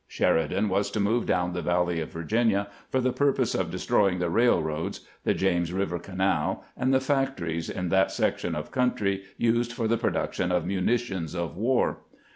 Sheridan was to move down the valley of Virginia for the purpose of destroying the railroads, the James Eiver Canal, and the factories in that section of country used for the pro duction of munitions of war.